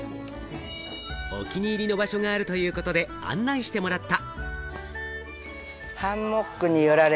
お気に入りの場所があるということで案内してもらった。